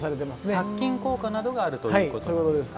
殺菌効果などがあるということですね。